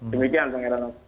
demikian pak ngeranop